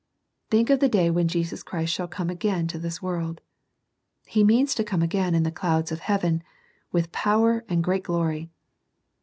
Think of the day when Jesus Christ shall came again to this world. He means to come again in the clouds of heaven, with power and great glory.